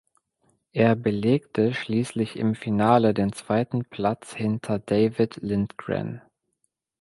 Er belegte schließlich im Finale den zweiten Platz hinter David Lindgren.